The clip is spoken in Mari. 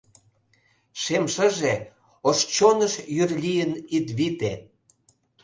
Шем шыже, ош чоныш йӱр лийын ит вите.